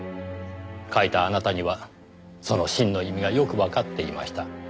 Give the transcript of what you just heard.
書いたあなたにはその真の意味がよくわかっていました。